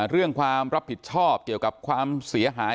เรื่องความรับผิดชอบเกี่ยวกับความเสียหาย